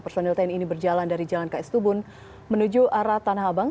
personil tni ini berjalan dari jalan ks tubun menuju arah tanah abang